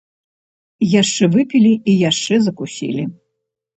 Яшчэ выпілі і яшчэ закусілі.